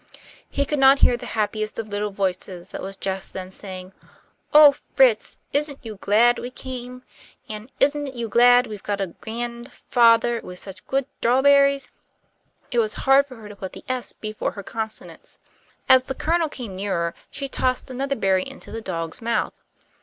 He could not hear the happiest of little voices that was just then saying, "Oh, Fritz, isn't you glad we came? An' isn't you glad we've got a gran'fathah with such good 'trawberries?" It was hard for her to put the "s" before her consonants. As the Colonel came nearer she tossed another berry into the dog's mouth.